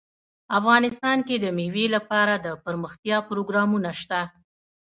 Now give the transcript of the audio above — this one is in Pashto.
افغانستان کې د مېوې لپاره دپرمختیا پروګرامونه شته.